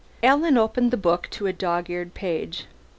Alan opened the book to a dog eared page.